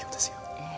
ええ。